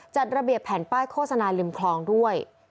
จัดระเบียบแผ่นป้ายโฆษณาริมคลองด้วย